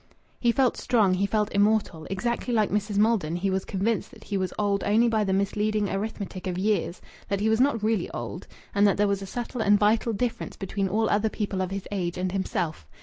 He felt strong; he felt immortal. Exactly like Mrs. Maldon, he was convinced that he was old only by the misleading arithmetic of years, that he was not really old, and that there was a subtle and vital difference between all other people of his age and himself.